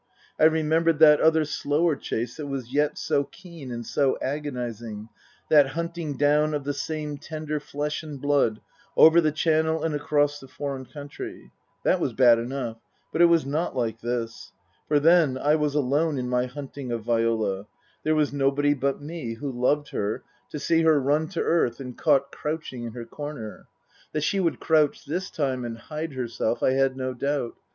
I remembered that other slower chase that was yet so keen and so agonizing ; that hunting down of the same tender flesh and blood, over the Channel and across a foreign country. That was bad enough ; but it was not like this. For then I was alone in my hunting of Viola ; there was nobody but me, who loved her, to see her run 238 Tasker Jevons to earth and caught crouching in her corner. That she would crouch, this time, and hide herself, I had no doubt.